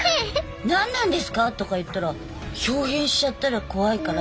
「何なんですか！」とか言ったらひょう変しちゃったら怖いから。